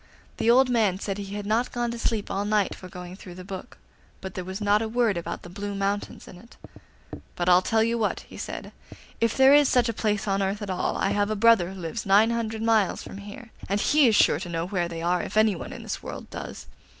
The old man said he had not gone to sleep all night for going through the book, but there was not a word about the Blue Mountains in it. 'But I'll tell you what,' he said, 'if there is such a place on earth at all, I have a brother who lives nine hundred miles from here, and he is sure to know where they are, if anyone in this world does.